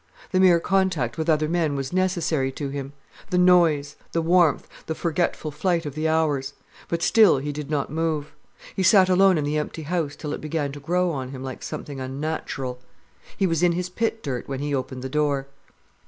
The mere contact with other men was necessary to him, the noise, the warmth, the forgetful flight of the hours. But still he did not move. He sat alone in the empty house till it began to grow on him like something unnatural. He was in his pit dirt when he opened the door.